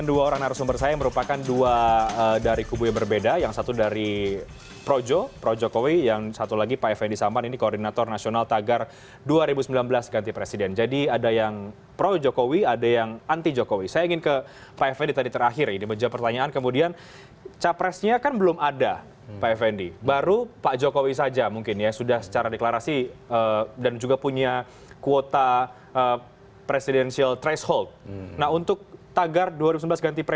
dan ini tidak patut dan tidak santun